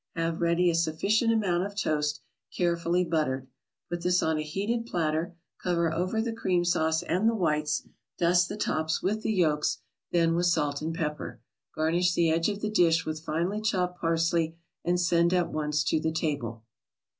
Have ready a sufficient amount of toast, carefully buttered. Put this on a heated platter, cover over the cream sauce and the whites, dust the tops with the yolks, then with salt and pepper. Garnish the edge of the dish with finely chopped parsley, and send at once to the table.